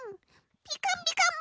ピカピカブ！